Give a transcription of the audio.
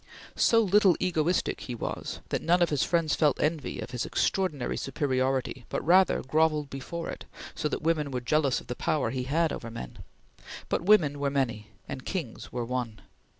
So little egoistic he was that none of his friends felt envy of his extraordinary superiority, but rather grovelled before it, so that women were jealous of the power he had over men; but women were many and Kings were one.